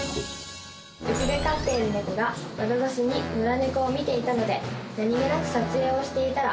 うちで飼っているネコが窓越しに野良ネコを見ていたので何げなく撮影をしていたら。